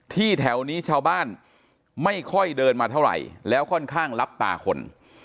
แถวนี้ชาวบ้านไม่ค่อยเดินมาเท่าไหร่แล้วค่อนข้างลับตาคน